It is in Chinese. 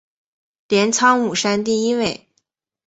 镰仓五山第一位。